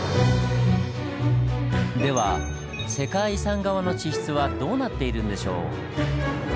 では世界遺産側の地質はどうなっているんでしょう。